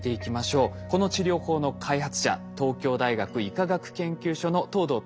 この治療法の開発者東京大学医科学研究所の藤堂具